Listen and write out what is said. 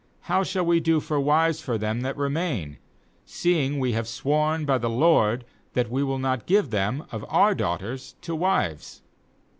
7How shall we do for wives for them that remain, seeing we have sworn by the LORD that we will not give them of our daughters to wives?'